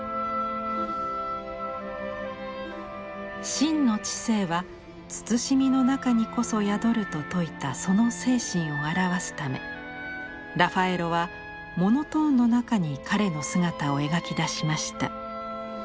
「真の知性は慎みの中にこそ宿る」と説いたその精神を表すためラファエロはモノトーンの中に彼の姿を描き出しました。